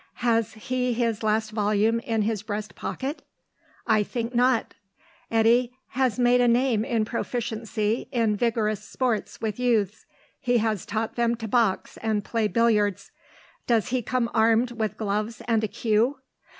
Has he his last volume in his breast pocket? I think not. Eddy has made a name in proficiency in vigorous sports with youths; he has taught them to box and play billiards; does he come armed with gloves and a cue?